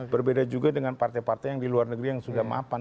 berbeda juga dengan partai partai yang di luar negeri yang sudah mapan